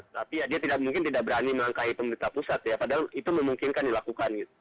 tapi ya dia tidak mungkin tidak berani melangkahi pemerintah pusat ya padahal itu memungkinkan dilakukan gitu